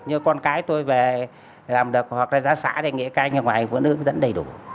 như con cái tôi về làm được hoặc ra xã thì nghĩa là các anh ở ngoài vẫn ứng dẫn đầy đủ